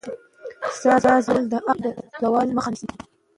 ساز وهل د عقل د زوال مخه نیسي.